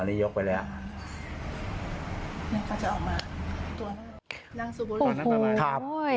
อันนี้ยกไปเลยอันนี้ก็จะออกมา